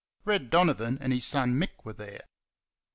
Red Donovan and his son, Mick, were there.